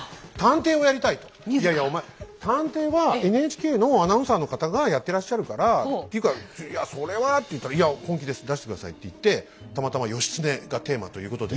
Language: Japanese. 「いやいやお前探偵はＮＨＫのアナウンサーの方がやってらっしゃるからていうかいやそれは」って言ったら「いや本気です出して下さい」って言ってたまたま「義経」がテーマということで。